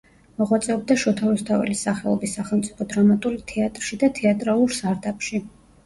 მოღვაწეობდა შოთა რუსთაველის სახელობის სახელმწიფო დრამატული თეატრში და თეატრალურ სარდაფში.